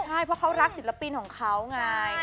ใช่เพราะเขารักศิลปินของเขาไง